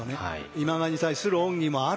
今川に対する恩義もある。